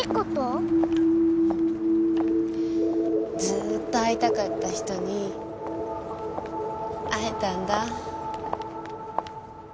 ずっと会いたかった人に会えたんだ。